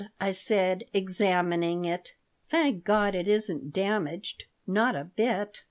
I said, examining it. "Thank God, it isn't damaged. Not a bit."